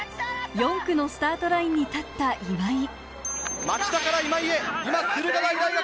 ４区のスタートラインに立った今井。